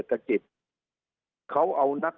สุดท้ายก็ต้านไม่อยู่